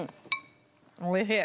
おいしい。